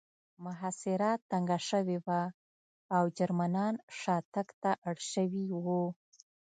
محاصره تنګه شوې وه او جرمنان شاتګ ته اړ شوي وو